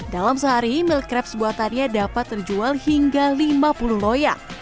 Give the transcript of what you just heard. dalam sehari meal crabs buatannya dapat terjual hingga lima puluh loyang